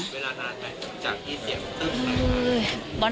เวลานานแหละจากอีเซียมเติบสามหลัง